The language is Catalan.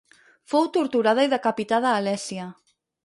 Fou torturada i decapitada a Alèsia.